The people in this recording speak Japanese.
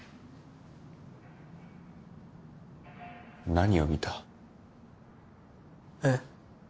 何を見た？えっ？